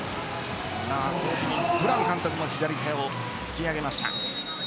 ブラン監督も左手を突き上げました。